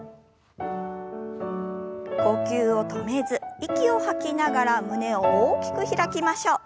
呼吸を止めず息を吐きながら胸を大きく開きましょう。